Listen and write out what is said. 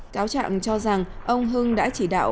cáo trạng cho rằng ông hưng đã chỉ đạo